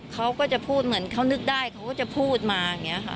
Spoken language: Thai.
เขาก็จะพูดเหมือนเขานึกได้เขาก็จะพูดมา